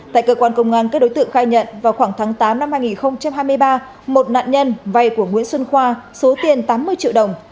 tại cơ quan công an các đối tượng khai nhận vào khoảng tháng tám năm hai nghìn hai mươi ba một nạn nhân vay của nguyễn xuân khoa số tiền tám mươi triệu đồng